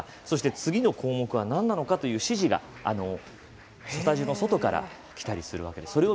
そして次の項目がなんなのかという指示がスタジオの外からきたりするわけです。